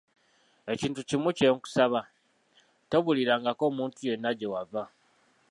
Ekintu kimu kye nkusaba, tobuulirangako omuntu yenna gye wava.